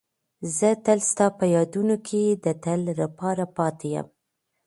زه تل ستا په یادونو کې د تل لپاره پاتې یم.